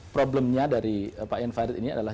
problemnya dari pak enfired ini adalah